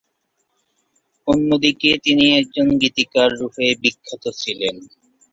অন্যদিকে তিনি একজন গীতিকার রূপে বিখ্যাত ছিলেন।